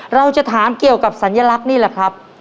เราจะถามเกี่ยวกับสัญลักษณ์นี่แหละครับ